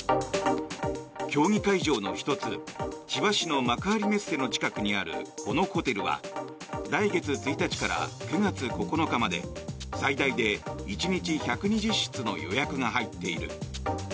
競技会場の１つ千葉市の幕張メッセの近くにあるこのホテルは来月１日から９月９日まで最大で１日１２０室の予約が入っている。